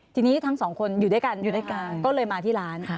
ทีนี้ทั้งสองคนอยู่ด้วยกันก็เลยมาที่ร้าน